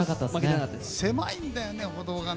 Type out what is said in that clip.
狭いんだよね、歩道がね。